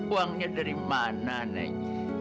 uangnya dari mana nek